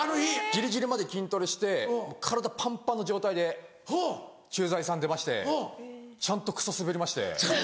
ギリギリまで筋トレして体パンパンの状態で「駐在さん」出ましてちゃんとクソスベりまして。